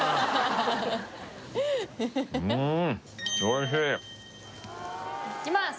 うん！いきます！